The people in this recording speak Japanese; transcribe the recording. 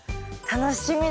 楽しみ。